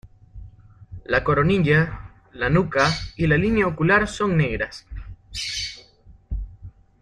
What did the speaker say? La coronilla, la nuca y la línea ocular son negras.